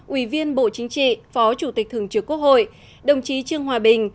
ủy viên bộ chính trị phó chủ tịch thường trực quốc hội đồng chí trương hòa bình